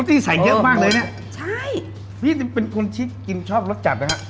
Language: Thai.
ที่ใส่เยอะมากเลยเนี้ยใช่พี่เป็นคนชิดกินชอบรสจัดนะฮะ